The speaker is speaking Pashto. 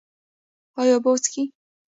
ایا اوبه څښئ؟